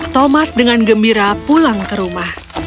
thomas dengan gembira pulang ke rumah